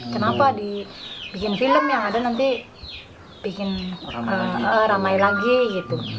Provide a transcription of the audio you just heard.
kenapa dibikin film yang ada nanti bikin ramai lagi gitu